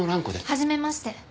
はじめまして。